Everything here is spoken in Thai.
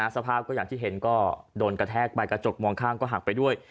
สภาพก็อย่างที่เห็นก็โดนกระแทกไปกระจกมองข้างก็หักไปด้วย